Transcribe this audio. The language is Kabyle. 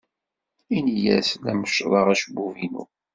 Ini-as la meccḍeɣ acebbub-inu.